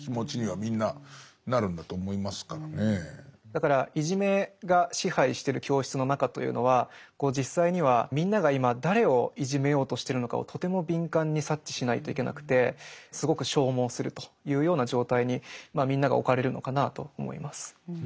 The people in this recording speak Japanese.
だからいじめが支配してる教室の中というのは実際にはみんなが今誰をいじめようとしてるのかをとても敏感に察知しないといけなくてすごく消耗するというような状態にみんなが置かれるのかなと思います。